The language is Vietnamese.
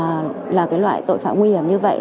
với nhận định là loại tội phạm nguy hiểm như vậy